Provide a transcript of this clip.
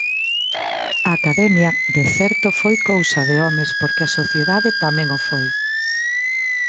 A Academia, de certo foi cousa de homes porque a sociedade tamén o foi.